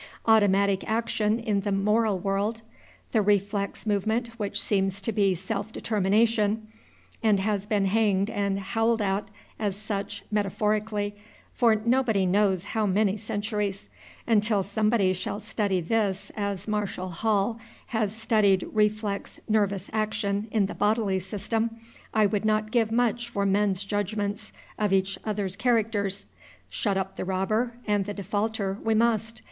Automatic action in the moral world; the reflex movement which seems to be self determination, and has been hanged and howled at as such (metaphorically) for nobody knows how many centuries: until somebody shall study this as Marshall Hall has studied reflex nervous action in the bodily system, I would not give much for men's judgments of each others' characters. Shut up the robber and the defaulter, we must.